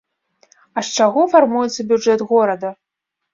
А з чаго фармуецца бюджэт горада?